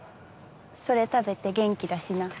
それ食べて元気出しな。